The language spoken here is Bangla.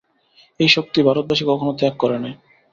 এই শক্তি ভারতবাসী কখনও ত্যাগ করে নাই।